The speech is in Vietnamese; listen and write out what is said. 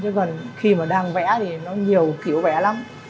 chứ còn khi mà đang vẽ thì nó nhiều kiểu vẽ lắm